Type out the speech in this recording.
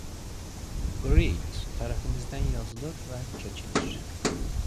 Great tərəfindən yazılır və çəkilir.